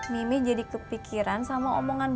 mimih jadi kepikiran sama omongannya